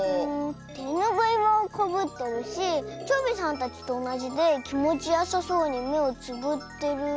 てぬぐいはかぶってるしチョビさんたちとおなじできもちよさそうにめをつぶってる。